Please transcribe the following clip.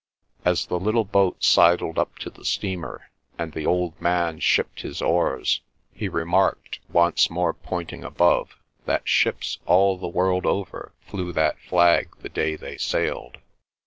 As the little boat sidled up to the steamer, and the old man shipped his oars, he remarked once more pointing above, that ships all the world over flew that flag the day they sailed.